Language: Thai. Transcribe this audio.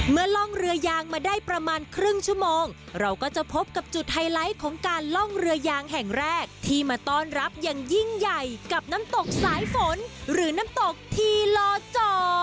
ล่องเรือยางมาได้ประมาณครึ่งชั่วโมงเราก็จะพบกับจุดไฮไลท์ของการล่องเรือยางแห่งแรกที่มาต้อนรับอย่างยิ่งใหญ่กับน้ำตกสายฝนหรือน้ำตกทีลอจอ